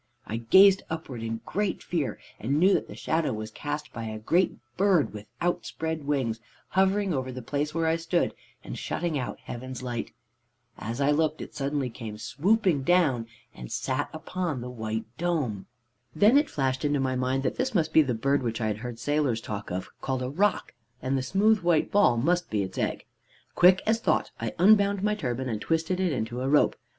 "I gazed upwards in great fear, and knew that the shadow was cast by a great bird with outspread wings hovering over the place where I stood and shutting out heaven's light. As I looked, it suddenly came swooping down, and sat upon the white dome. "Then it flashed into my mind that this must be the bird which I had heard sailors talk of, called a roc, and the smooth white ball must be its egg. "Quick as thought, I unbound my turban, and twisted it into a rope.